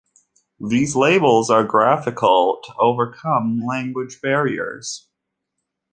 These labels are graphical, to overcome language barriers.